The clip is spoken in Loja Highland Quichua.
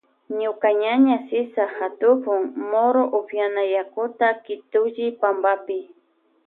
Ñuka ñaña Sisa katukun mora upyan yakuta kitulli pampapi.